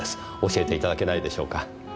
教えていただけないでしょうか。